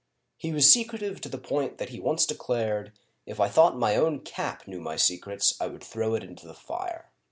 He was secretive to the point that he once declared, " If I thought my own cap knew my secrets, I would throw it into the fire."